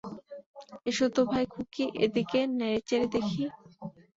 এসো তো ভাই খুকি এদিকে, নেড়েচেড়ে দেখি।